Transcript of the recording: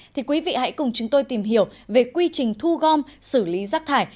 thì quý vị hãy cùng chúng tôi tìm hiểu về quy trình thu gom xử lý rác thải